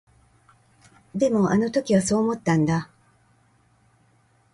でも、あの時はそう思ったんだ。